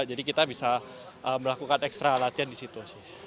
jadi kita bisa melakukan ekstra latihan di situ